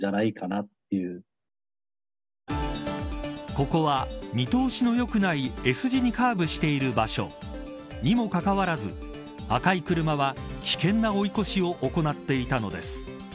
ここは、見通しの良くないＳ字にカーブしている場所。にもかかわらず赤い車は危険な追い越しを行っていたのです。